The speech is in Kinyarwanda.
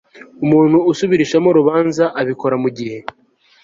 Umuntu usubirishamo urubanza abikora mu gihe